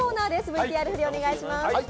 ＶＴＲ降りお願いします。